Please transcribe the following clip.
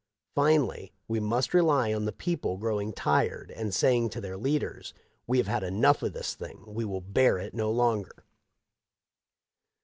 Finally we must rely on the people growing tired and saying to their leaders :' We have had enough of this thing, we will bear it no longer.'